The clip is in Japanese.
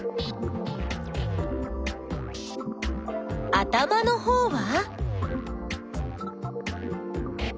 頭のほうは？